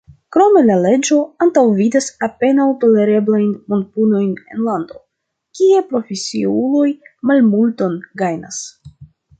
Krome la leĝo antaŭvidas apenaŭ tolereblajn monpunojn en lando, kie profesiuloj malmulton gajnas.